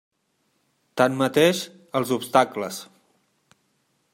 Tanmateix, els obstacles.